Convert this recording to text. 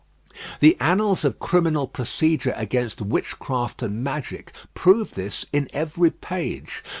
The annals of criminal procedure against witchcraft and magic prove this in every page.